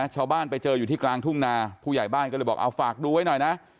ชาวบ้านไปเจออยู่ที่กลางทุ่งนาผู้ใหญ่บ้านก็เลยบอกเอาฝากดูไว้หน่อยนะ